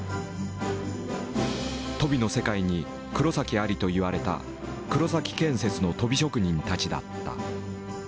「鳶の世界に黒崎あり」と言われた黒崎建設の鳶職人たちだった。